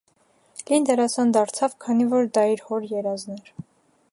Լին դերասան դարձավ քանի որ դա իր հոր երազն էր։